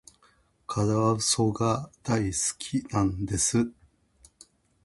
カワウソが大好きなんです。